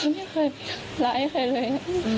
ไม่เคยร้ายใครเลย